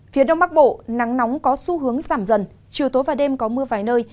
phía đông bắc bộ nắng nóng có xu hướng giảm dần chiều tối và đêm có mưa vài nơi